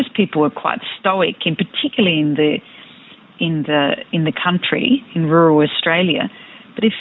tapi jika orang orang datang dari negara lain